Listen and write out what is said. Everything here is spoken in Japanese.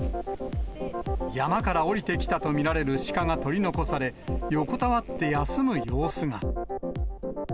山から下りてきたと見られる鹿が取り残され、横たわって休む様子が。